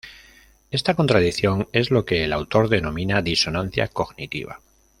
Esta contradicción es lo que el autor denomina disonancia cognitiva.